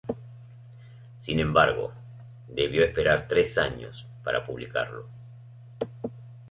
Sin embargo, debió esperar tres años para publicarlo.